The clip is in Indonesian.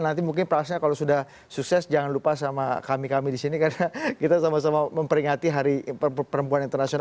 nanti mungkin prasnya kalau sudah sukses jangan lupa sama kami kami di sini karena kita sama sama memperingati hari perempuan internasional